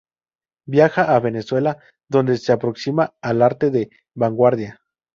Viaja a Venezuela, donde se aproxima al arte de vanguardia.